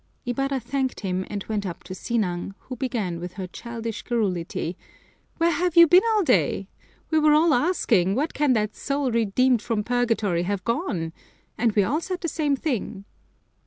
Ibarra thanked him and went up to Sinang, who began with her childish garrulity, "Where have you been all day? We were all asking, where can that soul redeemed from purgatory have gone? And we all said the same thing."